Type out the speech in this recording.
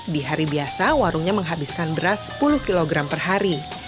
di hari biasa warungnya menghabiskan beras sepuluh kg per hari